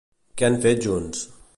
Què han fet junts?